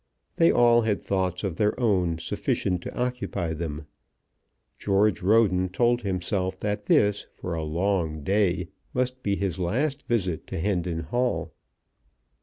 They all had thoughts of their own sufficient to occupy them. George Roden told himself that this, for a long day, must be his last visit to Hendon Hall.